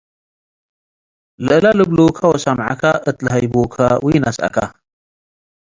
ለእለ ልብሉከ ወሰምዐከ፡ እት ለሀይቡከ ወኢነስአከ።